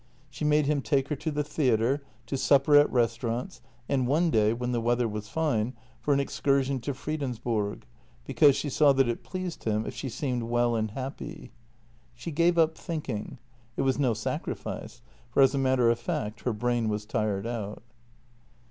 She made him take her to the theatre, to supper at restaurants, and one day, when the weather was fine, for an excursion to Fredensborg, because she saw that it pleased him if she seemed w r ell and happy. She gave up thinking — it was no sacrifice, for as a matter of fact her brain was tired out.